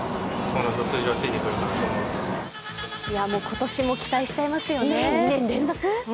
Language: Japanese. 今年も期待しちゃいますよね。